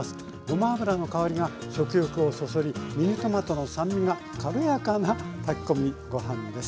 ごま油の香りが食欲をそそりミニトマトの酸味が軽やかな炊き込みご飯です。